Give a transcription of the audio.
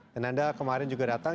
dan anda kemarin juga datang